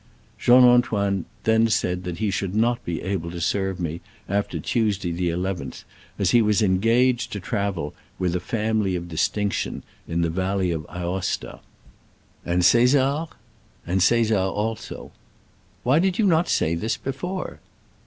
Jean Antoine then said that he should not be able to serve me after Tuesday, the i ith, as he was engaged to travel "with a family of distinction" in the valley of Aosta. "And Csesar?" "And Caesar also." "Why did you not say this be fore